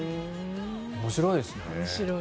面白いですね。